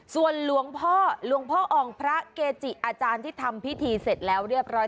ส่วนหลวงพ่อหลวงพ่ออ่องพระเกจิอาจารย์ที่ทำพิธีเสร็จแล้วเรียบร้อย